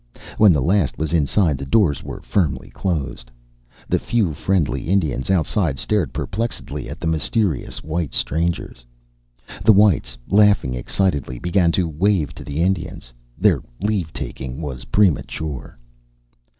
When the last was inside the doors were firmly closed. The few friendly Indians outside stared perplexedly at the mysterious white strangers. The whites, laughing excitedly, began to wave to the Indians. Their leave taking was premature.